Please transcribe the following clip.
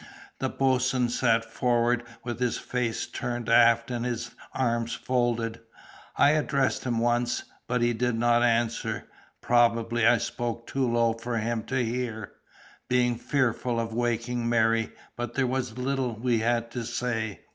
The boatswain sat forward, with his face turned aft and his arms folded. I addressed him once, but he did not answer. Probably I spoke too low for him to hear, being fearful of waking Mary; but there was little we had to say.